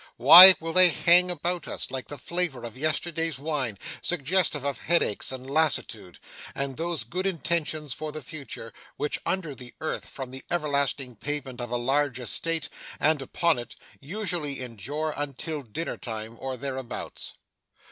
why will they hang about us, like the flavour of yesterday's wine, suggestive of headaches and lassitude, and those good intentions for the future, which, under the earth, form the everlasting pavement of a large estate, and, upon it, usually endure until dinner time or thereabouts!